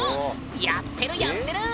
やってるやってる！